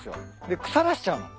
で腐らしちゃうの。